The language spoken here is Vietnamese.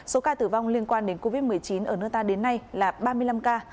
số ca tử vong liên quan đến covid một mươi chín ở nước ta đến nay là ba mươi năm ca